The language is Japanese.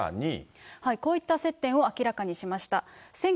こういった接点を明らかにしました。